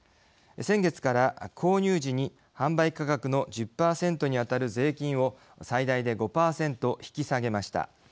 先月から、購入時に販売価格の１０％に当たる税金を最大で５％引き下げました。